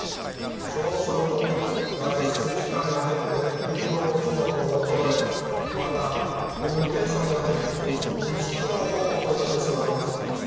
そうすると外出機会も減って運動機能も衰えまたコミュニケーションが減り認知機能も衰えてしまいます。